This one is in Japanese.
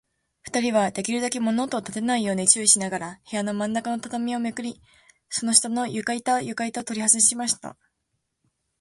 ふたりは、できるだけ物音をたてないように注意しながら、部屋のまんなかの畳をめくり、その下の床板ゆかいたをとりはずしました。